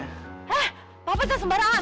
hah papa gak sembarangan